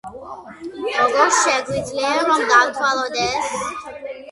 როგორ შეგვიძლია, რომ დავთვალოთ ეს?